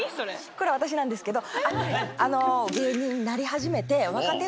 これ私なんですけど。